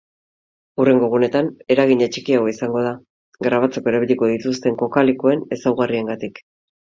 Hurrengo egunetan eragina txikiagoa izango da, grabatzeko erabiliko dituzten kokalekuen ezaugarriengatik.